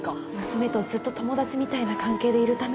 娘とずっと友達みたいな関係でいるために。